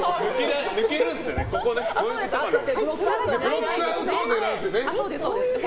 ブロックアウトを狙うんだよね。